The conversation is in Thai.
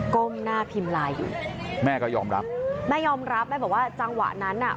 ก้มหน้าพิมพ์ไลน์อยู่แม่ก็ยอมรับแม่ยอมรับแม่บอกว่าจังหวะนั้นน่ะ